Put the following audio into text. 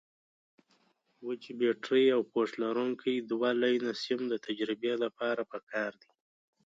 وچې بټرۍ او پوښ لرونکي دوه لینه سیم د تجربې لپاره پکار دي.